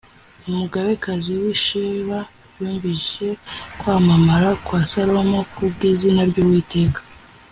Umugabekazi w’i Sheba yumvise kwamamara kwa Salomo ku bw’izina ry’Uwiteka